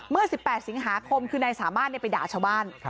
เมื่อ๑๘สิงหาคมคือนายสามารถไปด่าชาวบ้าน